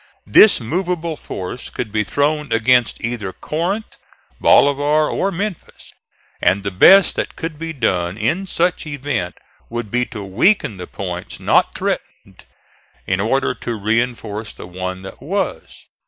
This movable force could be thrown against either Corinth, Bolivar or Memphis; and the best that could be done in such event would be to weaken the points not threatened in order to reinforce the one that was.